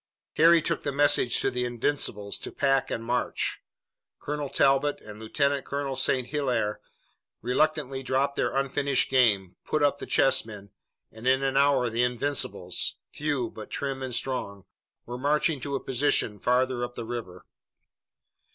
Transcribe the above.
Harry took the message to the Invincibles to pack and march. Colonel Talbot and Lieutenant Colonel St. Hilaire reluctantly dropped their unfinished game, put up the chessmen, and in an hour the Invincibles few, but trim and strong were marching to a position farther up the river.